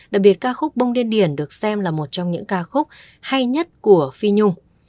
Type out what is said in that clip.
đặc biệt ca khúc bông điên điển được xem là một trong những ca khúc hay nhất của phi nhung